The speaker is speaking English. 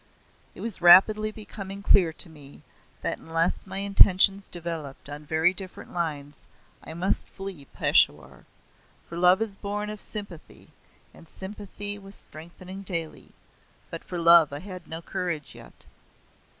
It was rapidly becoming clear to me that unless my intentions developed on very different lines I must flee Peshawar. For love is born of sympathy, and sympathy was strengthening daily, but for love I had no courage yet.